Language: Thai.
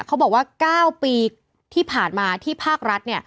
เขาบอกว่า๙ปีที่ผ่านมาที่ภาครัฐ